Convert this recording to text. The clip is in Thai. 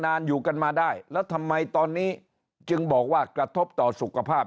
อยู่กันมาได้แล้วทำไมตอนนี้จึงบอกว่ากระทบต่อสุขภาพ